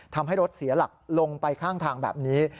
ทำให้รถเสียหลักลงไปข้างทางแบบนี้